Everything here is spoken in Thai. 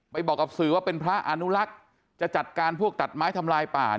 บอกกับสื่อว่าเป็นพระอนุรักษ์จะจัดการพวกตัดไม้ทำลายป่า